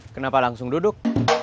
kenapa langsung duduk